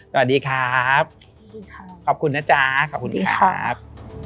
สวัสดีครับสวัสดีครับขอบคุณนะจ๊ะขอบคุณครับ